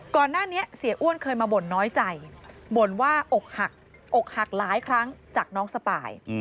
ก่อนหน้านี้เสียอ้วนเคยมาบ่นน้อยใจบ่นว่าอกหักอกหักหลายครั้งจากน้องสปาย